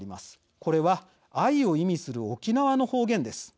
これは愛を意味する沖縄の方言です。